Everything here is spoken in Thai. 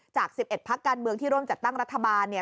จาก๑๑พักการเมืองที่ร่วมจัดตั้งรัฐบาลเนี่ย